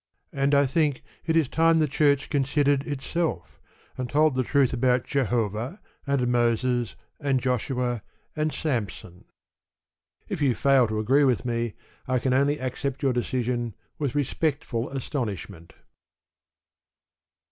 And I think it is time the Church considered itself, and told the truth about Jehovah, and Moses, and Joshua, and Samson. If you fail to agree with me I can only accept your decision with respectful astonishment.